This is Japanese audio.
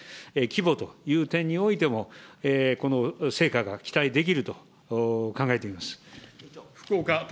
規模という点においても、この成果が期待できると考えています。